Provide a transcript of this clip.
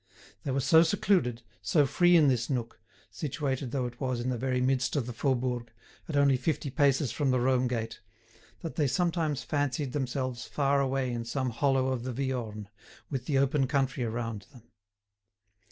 They were so secluded, so free in this nook, situated though it was in the very midst of the Faubourg, at only fifty paces from the Rome Gate, that they sometimes fancied themselves far away in some hollow of the Viorne, with the open country around them.